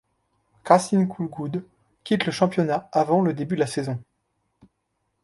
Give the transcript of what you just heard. Khasiin Khulguud quitte le championnat avant le début de la saison.